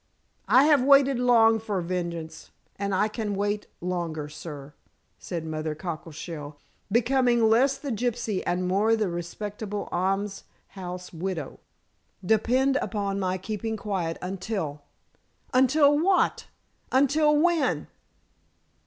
"I have waited long for vengeance and I can wait longer, sir," said Mother Cockleshell, becoming less the gypsy and more the respectable almshouse widow. "Depend upon my keeping quiet until " "Until what? Until when?"